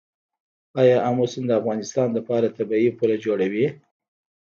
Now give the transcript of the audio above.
آیا امو سیند د افغانستان طبیعي پوله جوړوي؟